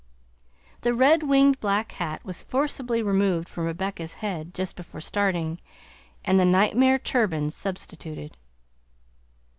The red winged black hat was forcibly removed from Rebecca's head just before starting, and the nightmare turban substituted.